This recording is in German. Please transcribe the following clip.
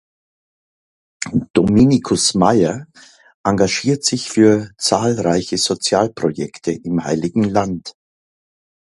Dominicus Meier engagiert sich für zahlreiche Sozialprojekte im Heiligen Land.